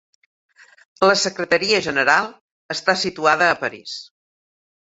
La Secretaria General està situada a París.